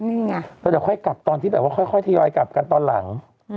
เราจะค่อยกลับตอนที่ทียอยกลับกันตอนหลัง